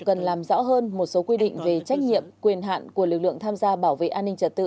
cần làm rõ hơn một số quy định về trách nhiệm quyền hạn của lực lượng tham gia bảo vệ an ninh trật tự